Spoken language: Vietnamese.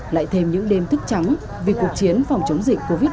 lại thêm những đêm thức trắng vì cuộc chiến phòng chống dịch covid một mươi chín